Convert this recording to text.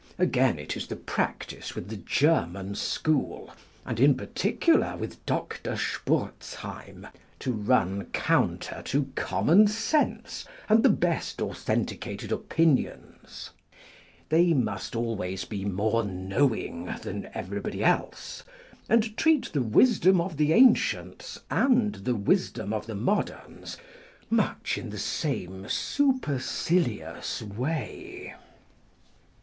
Again, it is the practice with the German school, and in particular with Dr. Spurzheim, to run counter to common sense and the best authenticated opinions. They must alwrays be more knowing than everybody else, and treat the wisdom of the ancients, and the wisdom of the moderns, much in the same supercilious way.